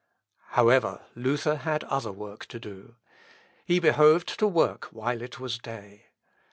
However, Luther had other work to do. He behoved to work while it was day.